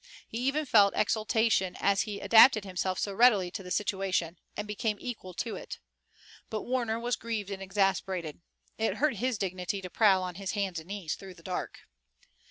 He even felt exultation as he adapted himself so readily to the situation, and became equal to it. But Warner was grieved and exasperated. It hurt his dignity to prowl on his knees through the dark.